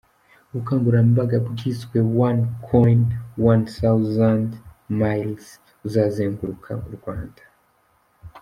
Ubu bukangurambaga bwiswe wani koyini wani sawuzandi mayilizi buzazenguruka u Rwanda.